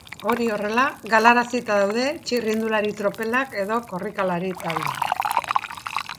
Hori horrela, galarazita daude txirrindulari tropelak edo korrikalari taldeak.